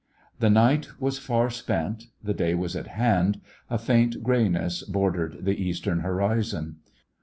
The night was far spent, the day was at hand, a faint grayness bor dered the eastern horizon.